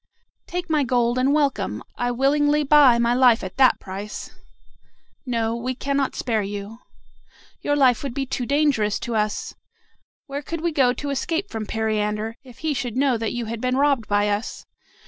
"Take my gold, and welcome. I willingly buy my life at that price." "No, no; we cannot spare you. Your life would be too dangerous to us. Where could we go to escape from Periander, if he should know that you had been robbed by us?